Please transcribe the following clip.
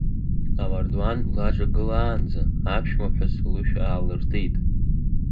Амардуан длаҿагылаанӡа, аԥшәмаԥҳәыс лышә аалыртит.